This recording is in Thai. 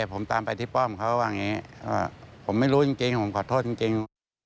ผมไม่รู้จริงผมขอโทษจริง